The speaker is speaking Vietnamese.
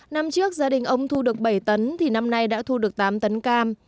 năm trước gia đình ông thu được bảy tấn thì năm nay đã thu được tám tấn cam